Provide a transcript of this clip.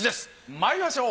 まいりましょう！